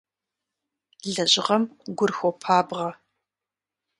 Лэжьыгъэм гур хуопабгъэ.